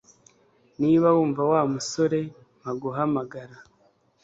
Niba wumva Wa musore mpa guhamagara